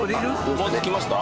もう着きました？